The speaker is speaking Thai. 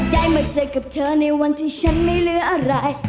ได้มาเจอกับเธอในวันที่ฉันไม่เหลืออะไร